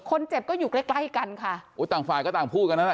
คนเจ็บก็อยู่ใกล้ใกล้กันค่ะอุ้ยต่างฝ่ายก็ต่างพูดกันนั่นแหละ